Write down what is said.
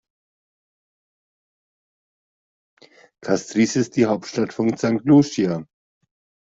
Castries ist die Hauptstadt von St. Lucia.